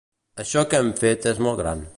Això que hem fet és molt gran.